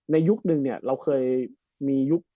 ยุคนึงเนี่ยเราเคยมียุค